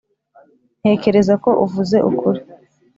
ntekereza ko uvuze ukuri.